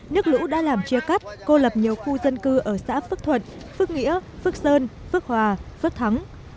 nước lũ đã làm chia cắt cô lập nhiều khu dân cư ở xã phước thuận phước nghĩa phước sơn phước hòa phước thắng